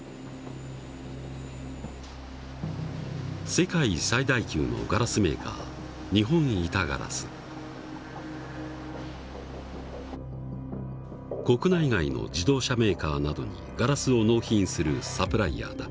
世界最大級のガラスメーカー国内外の自動車メーカーなどにガラスを納品するサプライヤーだ。